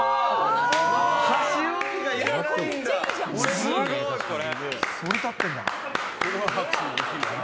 すごいこれ！